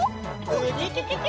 ウキキキ！